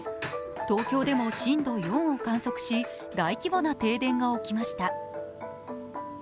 東京でも震度４を観測し大規模な停電が起きました。